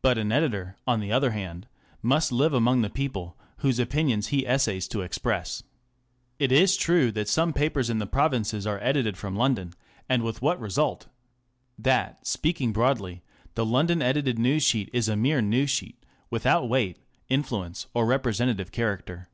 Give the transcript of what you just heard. But an editor, on the other hand, must live among the people whose opinions he essays to express. It Digitized by Google GOVERNMENT BY JOURNALISM. 655 is true that some papers in the provinces are edited from London, and with what result ? That, speaking broadly, the London edited news sheet is a mere news sheet, without weight, influence, or repre sentative character.